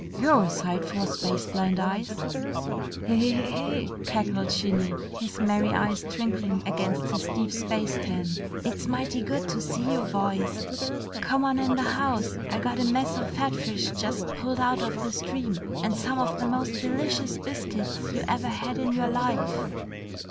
"You're a sight for space blind eyes!" "Heh heh heh," cackled Shinny, his merry eyes twinkling against his deep space tan. "It's mighty good to see you boys. Come on in the house. I got a mess of fatfish just pulled out of the stream and some of the most delicious biscuits you ever had in your life!"